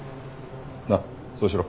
なっそうしろ。